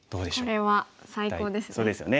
これは最高ですね。